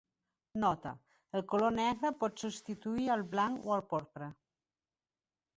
Nota: el color negre pot substituir al blanc o al porpra.